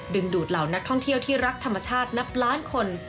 ดูดเหล่านักท่องเที่ยวที่รักธรรมชาตินับล้านคน